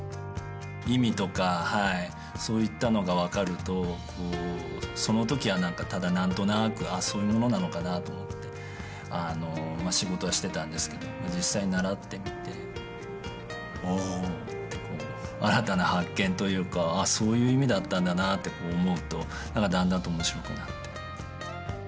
意味とかそういったのが分かるとその時は何かただ何となくそういうものなのかなと思って仕事はしてたんですけど実際習ってみておおって新たな発見というかそういう意味だったんだなって思うと何かだんだんと面白くなって。